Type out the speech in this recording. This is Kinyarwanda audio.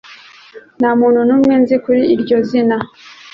Nta muntu n'umwe nzi kuri iryo zina